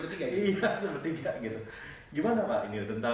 barangkali gak bapak sendirian yang menjelaskan ini